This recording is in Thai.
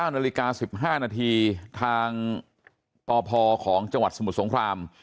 นาฬิกา๑๕นาทีทางปพของจังหวัดสมุทรสงคราม